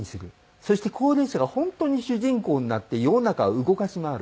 そして高齢者が本当に主人公になって世の中を動かし回る。